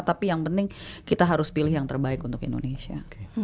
tapi yang penting kita harus pilih yang terbaik untuk indonesia